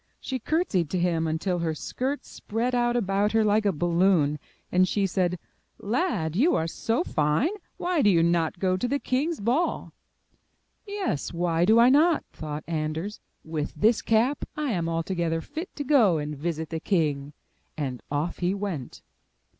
She curtsied to him until her skirts spread out about her Hke a balloon and she said: *'Lad, you are so fine, why do you not go to the king's ball?'* *'Yes, why do I not?'' thought Anders. 'With this cap, I am altogether fit to go and visit the king." And off he went.